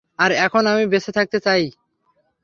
আর এখন আমি বেঁচে থাকতে চাই।